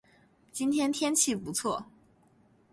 今天天气不错